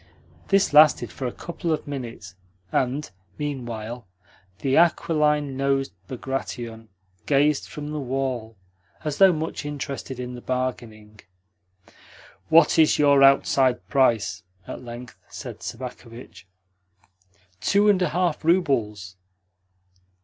This lasted for a couple of minutes, and, meanwhile, the aquiline nosed Bagration gazed from the wall as though much interested in the bargaining. "What is your outside price?" at length said Sobakevitch. "Two and a half roubles."